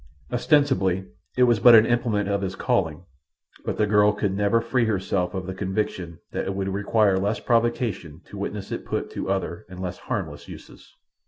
Ostensibly it was but an implement of his calling; but the girl could never free herself of the conviction that it would require less provocation to witness it put to other and less harmless uses.